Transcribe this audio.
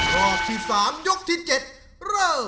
รอบที่๓ยกที่๗เริ่ม